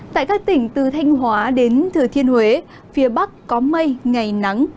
tại các tỉnh từ thanh hóa đến thừa thiên huế phía bắc có mây ngày nắng